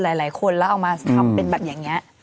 หลายคนแล้วเอามาทำเป็นแบบอย่างนี้